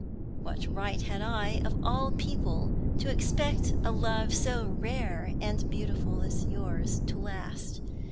What right had I, of all people, to expect a love so rare and beautiful as yours to last?